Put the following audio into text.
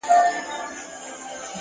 اوس يــې آهـونـــه په واوښتـل’